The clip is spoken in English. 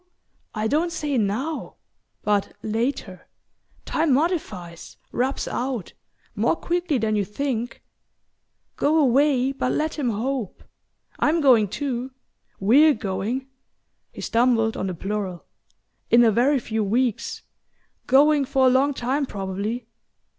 I don't say now. But later? Time modifies ... rubs out ... more quickly than you think...Go away, but let him hope...I'm going too WE'RE going " he stumbled on the plural "in a very few weeks: going for a long time, probably.